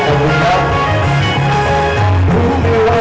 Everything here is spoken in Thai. ขอบคุณทุกเรื่องราว